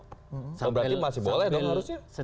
oh berarti masih boleh dong harusnya